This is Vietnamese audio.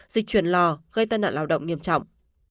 dịch chuyển lò gây tai nạn lao động nghiêm trọng